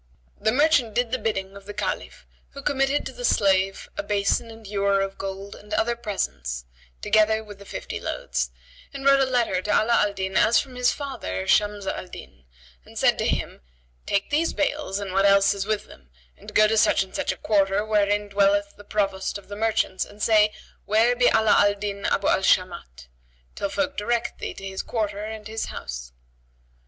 The merchant did the bidding of the Caliph who committed to the slave a basin and ewer of gold and other presents, together with the fifty loads; and wrote a letter to Ala al Din as from his father Shams al Din and said to him, "Take these bales and what else is with them, and go to such and such a quarter wherein dwelleth the Provost of the merchants and say, 'Where be Ala al Din Abu al Shamat?' till folk direct thee to his quarter and his house."